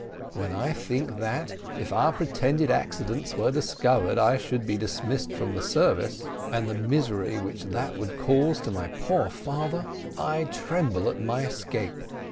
When I think that if our pretended accidents were discovered, I should be dismissed the service, and the misery which that would cause to my poor father, I tremble at my escape.